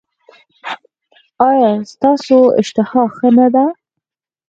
ایا ستاسو اشتها ښه نه ده؟